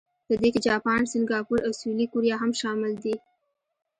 په دې کې جاپان، سنګاپور او سویلي کوریا هم شامل دي.